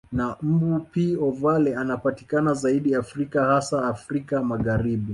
Na mbu P ovale anapatikana zaidi Afrika hasa Afrika Magharibi